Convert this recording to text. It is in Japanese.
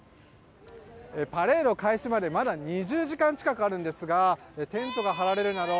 パレード開始までまだ２０時間近くあるんですがテントが張られるなど